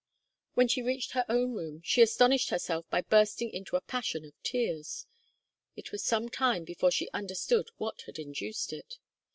When she reached her own room she astonished herself by bursting into a passion of tears. It was some time before she understood what had induced it.